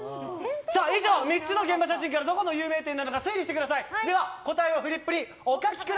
以上、３つの現場写真からどこの有名店なのか推理してください！